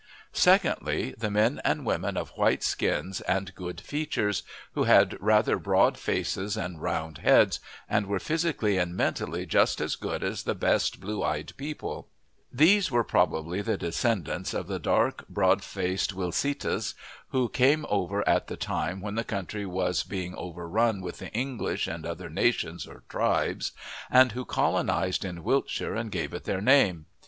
Secondly, the men and women of white skins and good features, who had rather broad faces and round heads, and were physically and mentally just as good as the best blue eyed people; these were probably the descendants of the dark, broad faced Wilsetas, who came over at the time when the country was being overrun with the English and other nations or tribes, and who colonized in Wiltshire and gave it their name.